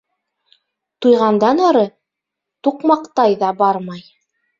Туйғандан ары туҡмаҡтай ҙа бармай.